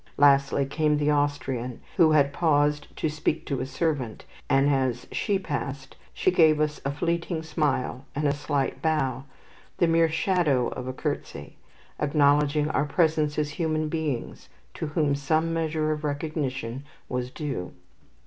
Lastly came the Austrian, who had paused to speak to a servant, and, as she passed, she gave us a fleeting smile and a slight bow, the mere shadow of a curtsey, acknowledging our presence as human beings, to whom some measure of recognition was due.